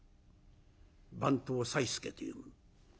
番頭さいすけという者。